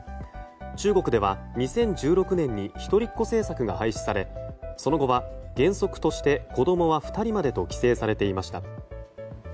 中国では２０１６年に一人っ子政策が廃止されその後は、原則として子供は２人までと規制されていました。